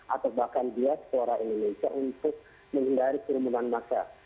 atau bahkan diaspora indonesia untuk menghindari kerumunan masa